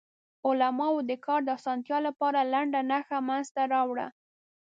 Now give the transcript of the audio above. علماوو د کار د اسانتیا لپاره لنډه نښه منځ ته راوړه.